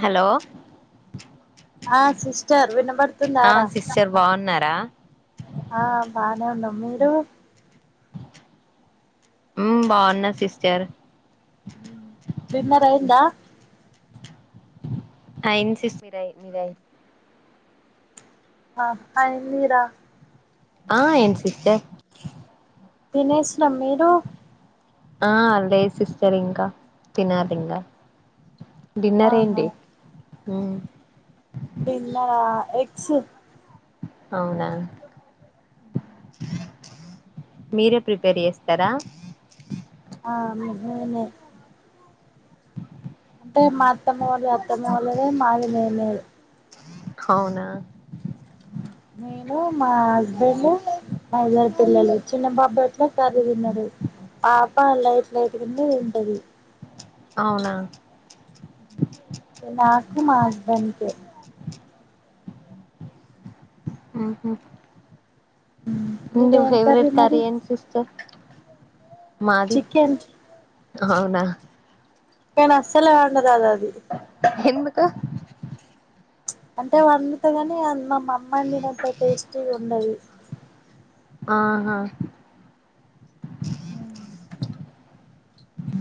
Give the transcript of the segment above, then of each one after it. Hello ఆ sister వినబడ్ ఆ సిస్టర్ బాగున్నార్ టా ఆ బానే ఉన్నాం మీరూ మ్ బాగున్న సిస్టర్ డిన్నర్ అయిందా అయింది సిస్టర్ మీరయి మి ఆ అయిందిరా ఆ ఏంటి సిస్టర్ తినేసినం మీరూ ఆ లేద్ సిస్టర్ ఇంకా తినాలింగా డిన్నర్ ఆహా ఏంటి ఆ డిన్నరా ఎగ్స్ అవునా ఆ మీరే ప్రిపేర్ చేస్తారా ఆ మే నేనే అంటే మా అత్తమ్మ వాళ్ళది అత్తమ్మ వాళ్ళదే మది మేమే అవునా నేను మా హస్బెండ్ మా ఇద్దరు పిల్లలు చిన్న బాబాట్ల వినరు ఆ ప లైట్ లైట్గనే తింటది. అవునా నాకు మా హస్బండ్కే ఆహ నీ మీదేం కర్రీ ఫేవ్రెట్ కరీ మరి ఏంటి సిస్టర్ మాది చికెన్ అవునా కని అస్సలే వండరాద్ అది ఎందుకు అంటే వండుత గని అం మా అమ్మ అండినంత టేస్టీ ఉండది. ఆహా ఆ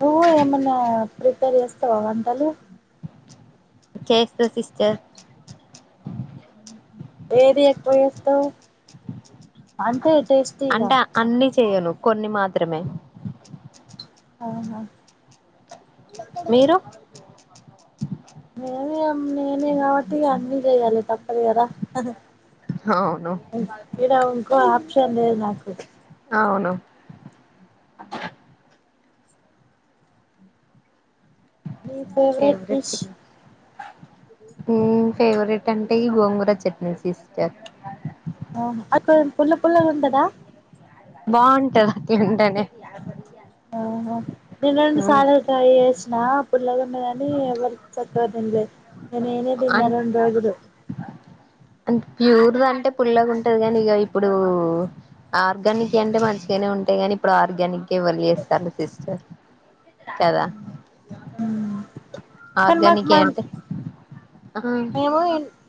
నువ్వు ఏమన్నా ప్రిపేర్ చేస్తావా వంటలు చేస్తా సిస్టర్ ఏది ఎక్కువ చేస్తవ్ అంటే టేస్టీగా అంటే అన్ని చేయను కొన్ని మాత్ర త్రమే ఆహా మీరు మేమ నేనే కాబట్టి అన్ని చేయాలి తప్పదుగద అవును ఇడ ఉంకో ఆప్షన్ లేదు నాకు అవును మీ ఫేవరెట్ డిష్ ఫేవరెట్ అంటే ఈ గోంగూర చట్నీ సిస్టర్ ఓ అక్క పుల్ల పుల్లగుంటదా బాగుంటది తింటేనే ఓహో నిన్నండు సార్లు ట్రై జెస్ నా అప్పుడు పుల్ల ఉండదని ఎవరు చక్కగా తినలేదు ఇ నేనే తిన్నా రెండు రోజులు అంత ప్యూర్ అంటే ఇ పుల్లాగా ఉంటది కానీ ఇగ ఇప్పుడు ఆర్గానిక్ అంటే మంచిగానే ఉంటాయి కానీ ఇప్పుడు ఆర్గానిక్ ఇవ్వాల చేస్తారు సిస్టర్ కదా కానీ మాకు ఆర్గానిక్కె మ అంటే ఆ మేము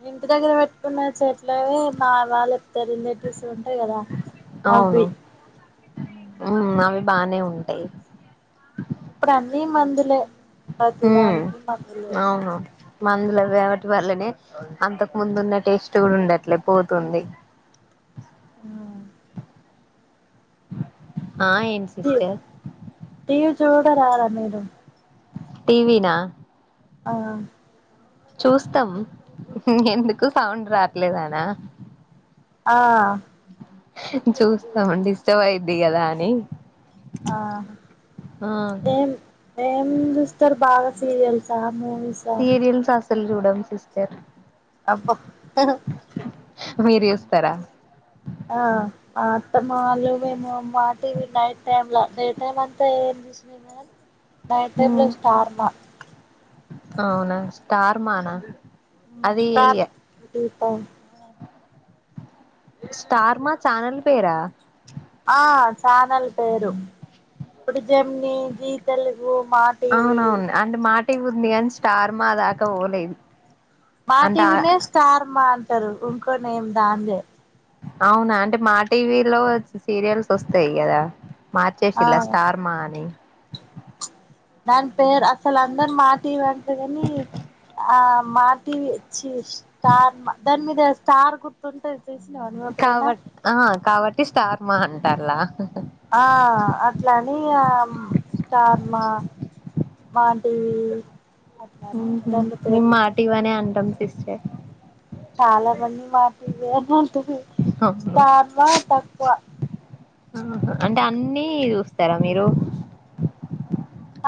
ఇంటి దగ్గర పెట్టుకున్న చెట్లవి మా వాళ్ళ ఇద్ద రిలేటివ్స్ ఉంటాయి కదా అవును అవి అవి బానే ఉంటాయి ఇప్పుడు అన్న మందులే ప్రతిదానికి మందులే అవును మందులు వేవటి వల్లనే అంతకు ముందు ఉన్న టేస్ట్ కూడా ఉండట్లే పోతుంది అవును ఆహా ఆ ఏంటి టీ సిస్టర్ టీవీ చూడరారా మీరు టీవీ నా ఆ చూస్తాం ఎందుకు సౌండ్ రాట్లేదానా ఆ చూస్తాం డిస్టర్బ్ అయిది కదా అని ఆ ఆ ఏం ఏం చూస్తారు బాగా సీరియల్సా మువీసా ల్ చూడం సిస్టర్ అబ్బ మీరు చూస్తరా ఆ మ అత్తమ్మ వాళ్ళు మేము మా టీవి నైట్ టైమ్ లో డే టైం అంతా ఏం చూసిన ఏమో గాని నైట్ టైమ్ లొ స్టార్ మా అవునా స్టార్ మానా మ్ అది కాల్ టు ఓ స్టార్ మా చానల్ పేరా ఆ చానల్ పేరు ఇప్పుడు జమిని జీతెల్ అవునవును అంటే మా టీవీ ఉంది గాని స్టార్ మాదాక పోలేదు మా అంటే టీవీనే స్టార్ మా అంటారు ఇంకో నేమ్ దాందే అవునా అంటే మా టీవీలో సీరియల్స్ వస్తాయి కదా ఆ మార్చేసిల్ల స్టార్ మా అని దాని పేరు అసలు అందరు మాటీవి అంట్రూ కని, ఆ మాటివి చి స్టార్ మ దాని మీద స్టార్ గుర్తుంటే కాబట్ ఆ కాబట్టి స్టార్ మ అన్ టాల ఆ అట్లని ఆ స్టార్ మా మాటివి ఉ హు మేమ్ మాటివి అనే అంటాం సిస్ చే చాలా మంది మాటివే అని అంటరు అవును స్టార్ మా తక్కువ ఆహా అంటే అన్నీ చూస్తారా మీరు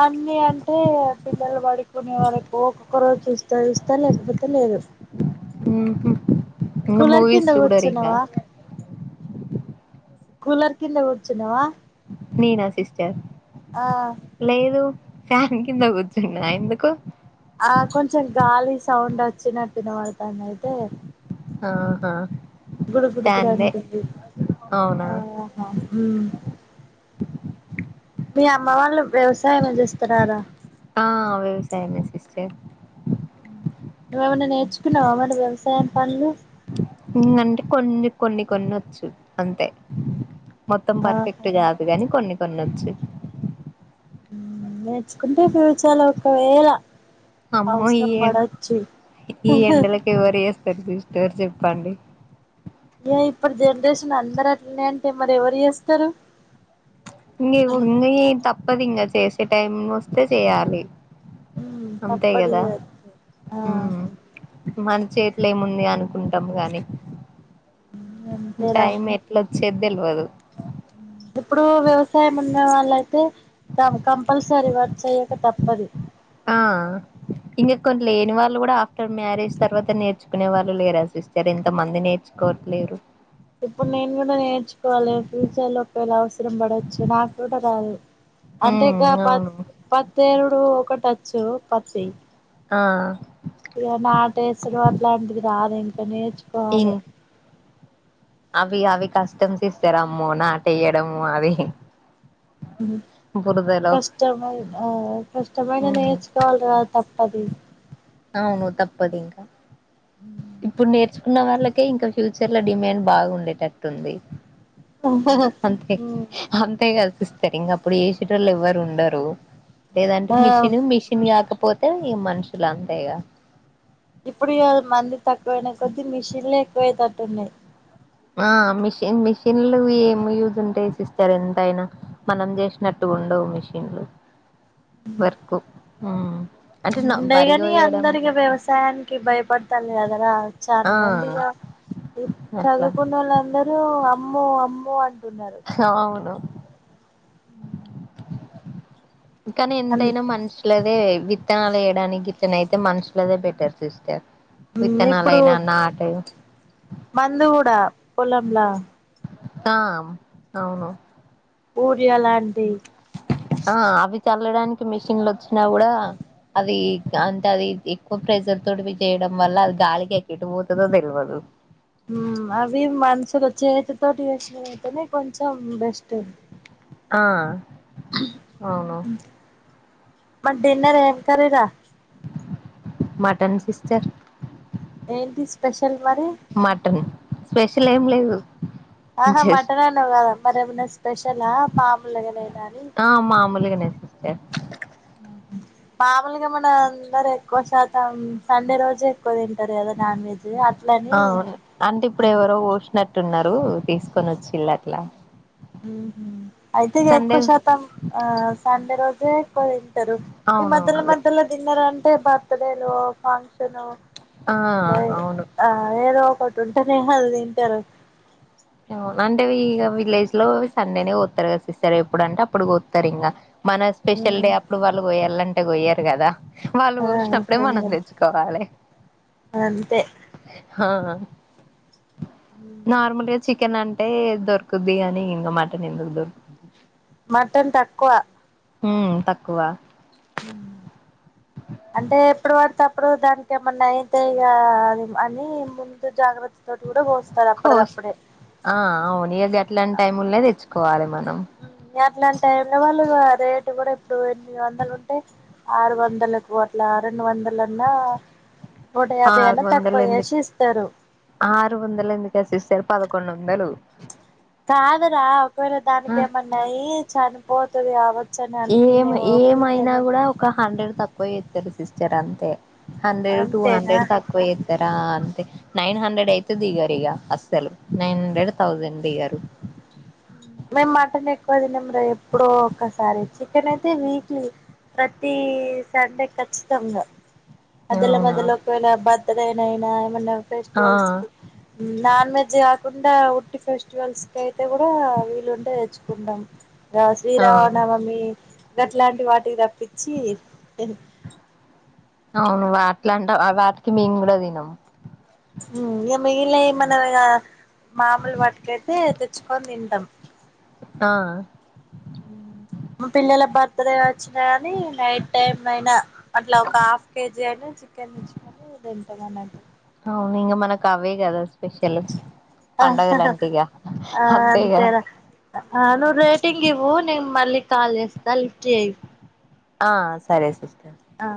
అన్ని అంటే పిల్లలు పడుకునే వరకు ఒక్కొక్క రోజు చూస్తా చూస్తా లేకపోతే లేదు ఉహూ కులర్ కింద కూచ్చున్నవా కూలర్ కింద కూచున్నావా నీనా సిస్టర్ ఆ లేదు ఫాన్ కింద కూర్చున్నా ఎందుకు ఆ కొంచెం గాలి సౌండ్ వచ్చినటు వినపడతాంది అయితే ఆహా గుడు గుడు గు ఫ్యాన్దే అంటంది అవునా ఆహా మీ అమ్మ వాళ్ళు వ్యవసాయం చేస్తారారా ఆ వ్యవసాయ మసిస్ చే. నువెమన్న నేర్చుకున్నావ మర్. ఊ అంటే కొన్నీ. కొన్ని కొనొచ్చు అంతే. మొత్తం ఆహా పర్ఫెక్ట్ గాదు గని కొన్ని. న నచ్చి. నేర్చుకుంటే ఫ్యూచర్ ఒకవేళ. అమ్మో ఈ అవసరం ఎ పడొచ్చు ఈ ఎండలకి ఎవరు యెస్. సరిపిష్టార్ చెప్పండి. యే ఇప్పుడు జనరేషన్ అందర అట్లనే అంటే మరి ఎవరు యేస్తారు. నీవు ని తప్పదింగా చేసు. టైం వస్తే చేయాలి. అంతే కదా తప్పదిగా ఆ. మన్ చేతిల్ ఏముంది అనుకుంటాం గానీ. అంతేరా టైమ్ ఎట్లు. ఇచ్చేద్ దేవువదు. ఇప్పుడు వ్యవసాయం ఉన్న వాళ్ళ అయితే, క కంపల్సరీ వర్క్ చేయ్యక తప్పది. ఆ ఇంకా కొన్ని లేని వాళ్ళు కూడా. మ్యారేజ్ తర్వాత నేర్చుకునే వాళ్ళు లేరా సిస్టర్ ఎంతమంది నేర్చుకోవట్లేరు. ఇప్పుడు నేను కూడా నేర్చుకోవాలే ఫ్యూచర్ లో ఒకేళ అవసరం పడొచ్చు, నాకు కూడ రదు, అంటే గ ఉమ్ ప అవును పెత్తేరుడు. ఇప్పుడు ఒకటచ్చు పత్తి. ఆ. ఇగ నాటేసుడు అట్లాంటిది రాదు ఇంకనే. ఇం ర్చుకోవాలె. అవి అవి కస్టమ్ సిస్టర్ అమ్మో నాటే ఎయ్యడము అవి. బురదలో కష్టమ్ ఐ అ కష్టమైన ఉమ్ నేర్చుకోవాలి రా. తప్పది. అవును తప్పదింకా. ఇప్పుడు నేర్. నేర్చుకున్న వాళ్ళకే ఇంకా ఫ్యూచర్ లో డిమ్యాండ్ బాగా ఉండేటట్టుంది. అంతె ఉమ్ అంతె గాద. పిస్తారు ఇంక అప్పుడు చేసేటోళ్లు ఎవ్వరు ఉండరు. లేదంటె ఆ మిషన్ మిషిన్ కాకపోతే. ఈ మనుషులు అంతేగ. ఇప్పుడు ఇయాళ మంది తక్కువయిన కొద్ది మిషిన్లే ఎక్కువయ తట్టున్నాయ్. ఆ మిషన్ మిషన్లు ఏం యూజ్ ఉంటయి సిస్టర్ ఎంతయిన మనం జెసినట్టు ఉండవు మిషన్లు. వర్కు హు. ఉండె గాని అందరికి వ్యవసాయానికి బయపడతారు కదరా చాలా ఆ మంది ఇగ అట్లా చదువుకున్న వాళ్ళందరూ అమ్మో అమ్మో అని అవును అ కాని ఎంతైన మనుషులే క అంటే విత్తనాలు యేయడానికి ఇట్నే అయితె మనుషులె బెటర్ సిస్టర్ విత్తనాలైన నాటు మందుగుడా పొలంలా ఆ అవును బూరియాలాంటి ఆ అవి చల్లడానికి మిషిన్లోచ్చినా గూడ అది అంటె అది ఎక్కువ ప్రెజర్ తోటి చేయడం వల్ల అది గాలికి ఎక్కిటి పోతుందో తెల్వదు ఉ అవి మనుషుల చేతితోటి యేసినవి అయితేనె కొంచెం బెస్ట్ ఆ అవును మరి డిన్నర్ ఏం కర్రీ రా మటన్ సిస్టర్ ఏంటి స్పె మటన్ స్పెషల్ ఏం లేదు ఉ ఆహా మటన్ అన్నావు కదా మర ఏమైన స్పెషలా మామూలుగానె నా ఆ మామూలిగనె ఎ మాములుగా మనందరు ఎక్కువ శాతం సండే రోజే త తింటారు కదా నాన్ వెజ్ అట్లని హు టున్నారు తీసుకొని వచ్చిళ్ళు అట్లా ఉహు అయితె ఎక్కువ సండే శాతం ఆ సండె రోజె ఎక్కువ దింటరు ఇప్పుడు మధ్యల అవునవును మధ్యలో తిన్నరంట అంటే బర్త్డేలో ఫంక్షనో ఆ అ అవును ఆ ఏదో ఒక ఒక ంటేనేమో అది తింటారు అ ఇగ విలేజ్ లో సండేనే పోతారు కదా సిస్టర్ ఎప్పుడు అంటే అప్పుడుకి పోస్తారు ఇంకా మన స్పెషల్ డే అప్పుడు వాళ్ళు పోయాలంటే అంటే గొయ్యరు గదా వాళ్ళు ఆ గోషినప్పుడే మనం దెచ్చుకోవాలె అంతే హా నార్మల్ చికెన్ అంటే దొరుకుద్ది గాని ఇంగ మటన్ ఎందుకు దొరుకుద్ది మటన్ తక్కువ ఉమ్ తక్కువ అంటే ఎప్పుడు పడితేప్పుడు దానికి ఏమన్నా అయితే ఇగ అని ముందు జాగ్రత్త తోటి కూడా కోస్ కోస్త్ ఆ అవును ఇగ గట్లాంటి టైంల్నే తెచ్చు కోవాలే మల్ మ్ అట్లాంటైంల్లా వాళ్ళిగ రేటు కూడా ఇప్పుడు ఎనిమిది వందలు ఉంటే ఆరు వందల అట్ల రెండు వందలన్నా నూట యాభై ఆరు అన్నా వందల తక్కువ చేసి ఎందుకే, ఇస్తారు ఆరు వందల ఎందుకేసిస్తారు పదకొండు వందలు కాదురా ఒకవేళ ఆ దానికేమన్నయ్యి చనిపో తది యావత్ ఏం ఏమైనా కూడా ఒక హండ్రెడ్ తక్కువ చేస్తారు సిస్టర్ అంతే హండ్రెడ్ టూ అంతేనా హండ్రెడ్ తక్కువ చేత్తరు ఆ అంతే నైన్ హండ్రెడ్ అయితే దిగారు ఇగ అస్సలు నైన్ హండ్రెడ్ థౌజండ్ దిగారు మేమ్ మటన్ ఎక్కువ తినము రా ఎప్పుడో ఒకసారి చికెన్ అయితే వీక్లీ ప్రతి సండే ఖచ్చితంగా అదలా అవునా బదలోకన బ దేనైనా ఏమన్న ఆ ఫెస్టివల్స్కి నాన్ వెజ్ కాకుం డ ఉట్టి ఫెస్టివల్స్కైయితే కూడా వీలుం తెచ్చుకుంటాం ఆ శ్రీరామనవమి గట్లాంటి వాటికి తప్పిచ్చి అవును అట్లాంట వాటికి మేము కూడా తినము ఉమ్ ఇగ మిగిలినయ్ ఏమన్న ఇగా మాములు వాటికైతే తెచ్చుకొని తింటాం ఆ మా పిల్లల బర్త్ డే వచ్చినా కాని నైట్ టైమ్ అయినా అట్లా ఒక హాఫ్ కేజీ అయినా చికెన్ తెచ్చుకొని తింటాం అన్నట్టు అవును ఇంగ మనకు అవే కదా స్పెషల్ ఆ పండగలంటే ఇగ అంతేగా అంతే రా అ నువ్వు రేటింగ్ ఇవ్వు నేన్ మళ్ళి క్ కాల్ చేస్తా లిఫ్ట్ చేయి ఆ సరే స ఆ